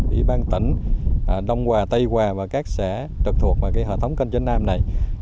ủy ban tỉnh đông hòa tây hòa và các xã trực thuộc vào hệ thống kênh chính nam này